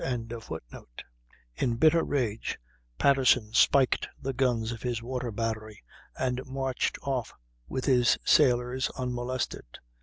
] In bitter rage Patterson spiked the guns of his water battery and marched off with his sailors, unmolested.